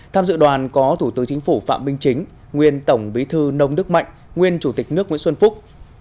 tham dự đoàn có thủ tướng chính phủ phạm minh chính nguyên tổng bí thư nông đức mạnh nguyên chủ tịch nước nguyễn xuân phúc